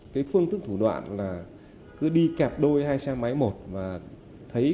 cái phương thức thủ đoạn là cứ đi kẹp đôi hay sang máy một